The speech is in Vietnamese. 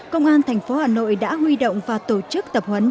công an tp hà nội đã huy động và tổ chức tập huấn cho hơn năm mươi cán bộ chiến sĩ